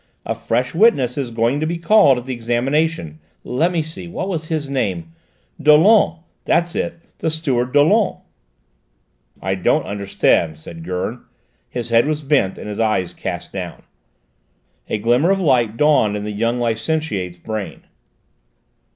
A fresh witness is going to be called at the examination; let me see, what's his name? Dollon: that's it: the steward, Dollon." "I don't understand," said Gurn; his head was bent and his eyes cast down. A glimmer of light dawned in the young licentiate's brain.